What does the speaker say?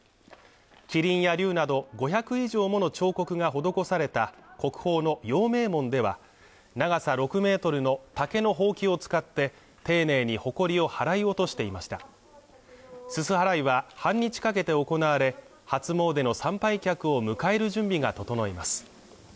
麒麟や竜など５００以上もの彫刻が施された国宝の陽明門では長さ６メートルの竹のほうきを使って丁寧にほこりを払い落としていましたすす払いは半日かけて行われ初詣の参拝客を迎える準備が整います